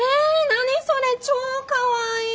何それ超かわいい！